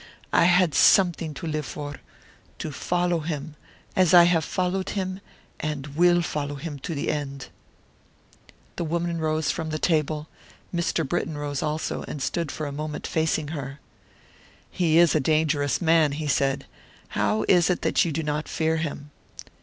I had something to live for, to follow him, as I have followed him and will follow him to the end." The woman rose from the table; Mr. Britton rose also, and stood for a moment, facing her. "He is a dangerous man," he said; "how is it that you do not fear him?"